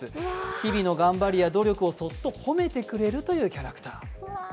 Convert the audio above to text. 日々の頑張りや努力をそっと褒めてくれるというキャラクター。